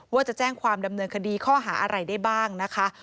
ว่าจะแจ้งความดำเนินคดีข้อหาอะไรได้บ้างนะคะ